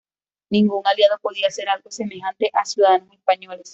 Ningún aliado podía hacer algo semejante a ciudadanos españoles.